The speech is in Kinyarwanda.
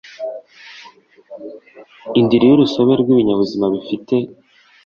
indiri y urusobe rw ibinyabuzima bifite